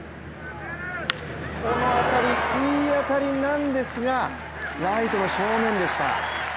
この当たり、いい当たりなんですがライトの正面でした。